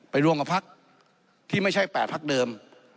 รวมกับพักที่ไม่ใช่๘พักเดิม